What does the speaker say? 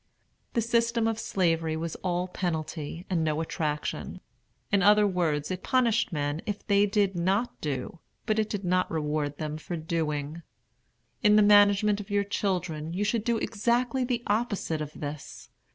The system of Slavery was all penalty and no attraction; in other words, it punished men if they did not do, but it did not reward them for doing. In the management of your children you should do exactly the opposite of this.